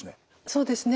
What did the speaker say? そうですね。